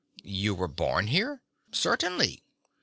"You were born here?" "Certainly."